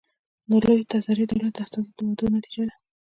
د لوی تزاري دولت د استازو د وعدو نتیجه ده.